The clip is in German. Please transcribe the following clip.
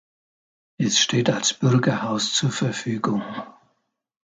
Es steht als Bürgerhaus zur Verfügung.